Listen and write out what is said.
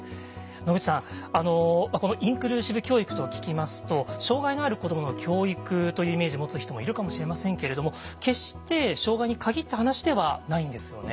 野口さんこのインクルーシブ教育と聞きますと障害のある子どもの教育というイメージを持つ人もいるかもしれませんけれども決して障害に限った話ではないんですよね？